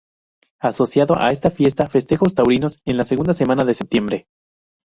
Asociado a esta fiesta, festejos taurinos en la segunda semana de septiembre.